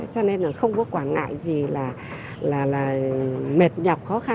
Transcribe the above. cho nên là không có quản ngại gì là mệt nhọc khó khăn